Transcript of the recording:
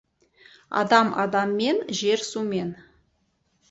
Адам адаммен, жер сумен.